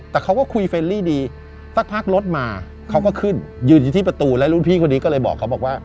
แต่เขาก็คุยเฟรนลี่ดีสักพักรถมาเขาก็ขึ้นยืนอยู่ที่ประตูแล้วรุ่นพี่คนนี้ก็เลยบอกเขาบอกว่า